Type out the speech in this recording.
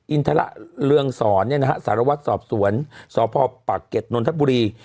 อินทะละเรืองศรเนี่ยนะฮะสารวัตรสอบสวนสพปะเก็ตนนทบุรี